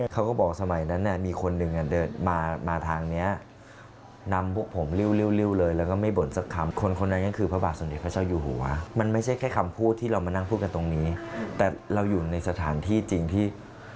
ก็ตั้งว่าเหนื่อยไม่เหนื่อยได้ไง